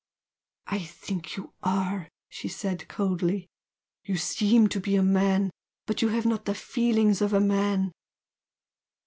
"I think you are!" she said, coldly "You seem to be a man, but you have not the feelings of a man!"